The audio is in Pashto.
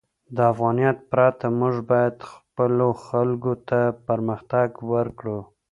د افغانیت پرته، موږ باید خپلو خلکو ته پرمختګ ورکړو.